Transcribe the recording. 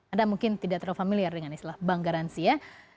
anda mungkin tidak terlalu familiar dengan istilah bank garansi ya